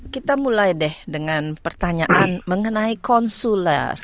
kita mulai deh dengan pertanyaan mengenai konsuler